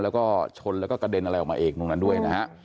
แล้วก็ชนแล้วก็กระเด็นอะไรออกมาเองตรงนั้นด้วยนะฮะ